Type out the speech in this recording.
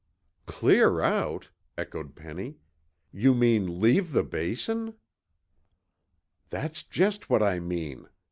"Clear out!" echoed Penny. "You mean leave the Basin?" "That's just what I mean.